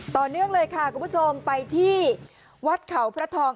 ต่อเนื่องเลยค่ะคุณผู้ชมไปที่วัดเขาพระทอง